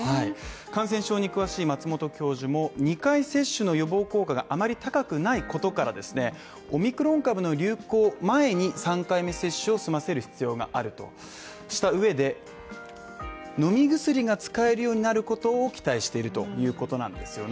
感染症に詳しい松本教授も２回接種の予防効果があまり高くないことからオミクロン株の流行前に３回目接種を済ませる必要があるとした上で飲み薬が使えるようになることを期待しているということなんですよね